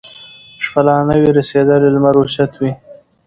شپه لا نه وي رسېدلې لمر اوچت وي